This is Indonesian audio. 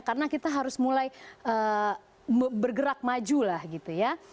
karena kita harus mulai bergerak maju lah gitu ya